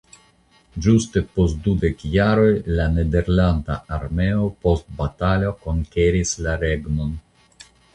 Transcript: Ĝuste post du dek jaroj la nederlanda armeo post batalo konkeris la regnon.